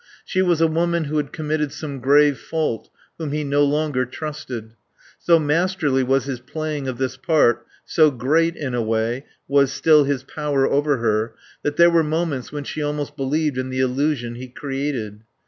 She was a woman who had committed some grave fault, whom he no longer trusted. So masterly was his playing of this part, so great, in a way, was still his power over her, that there were moments when she almost believed in the illusion he created.